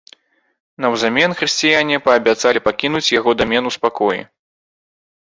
Наўзамен хрысціяне паабяцалі пакінуць яго дамен у спакоі.